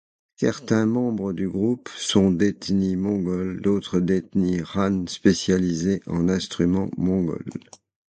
Certains membres du groupe sont d'ethnie mongole, d'autres d’ethnie Han spécialisés en instruments mongols.